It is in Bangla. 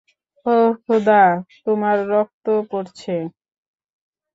ওহ, খোদা, তোমার রক্ত পড়ছে।